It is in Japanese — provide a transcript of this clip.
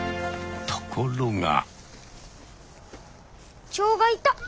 ところが。